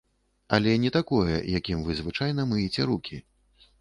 Але не такое, якім вы звычайна мыеце рукі.